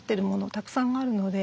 たくさんあるので。